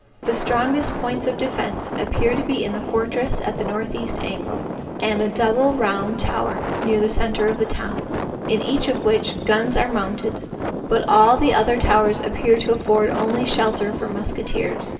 The strongest points of defence appear to be in a fortress at the northeast angle, and a double round tower, near the centre of the town; in each of which, guns are mounted; but all the other towers appear to afford only shelter for musketeers.